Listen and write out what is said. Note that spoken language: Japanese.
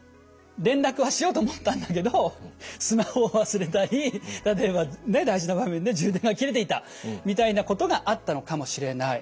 連絡はしようと思ったんだけどスマホを忘れたり例えば大事な場面で充電が切れていたみたいなことがあったのかもしれない。